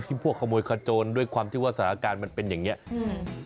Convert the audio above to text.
พวกขโมยขโจนด้วยความที่ว่าสถานการณ์มันเป็นอย่างเงี้อืม